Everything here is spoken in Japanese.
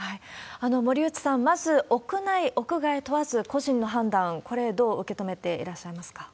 森内さん、まず屋内、屋外問わず個人の判断、これ、どう受け止めていらっしゃいますか？